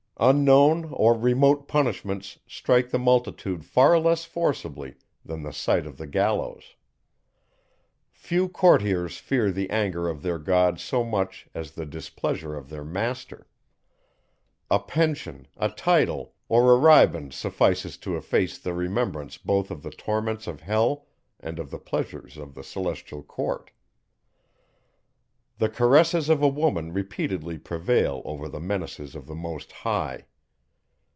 Unknown or remote punishments strike the multitude far less forcibly than the sight of the gallows. Few courtiers fear the anger of their God so much as the displeasure of their master. A pension, a title, or a riband suffices to efface the remembrance both of the torments of hell, and of the pleasures of the celestial court. The caresses of a woman repeatedly prevail over the menaces of the Most High.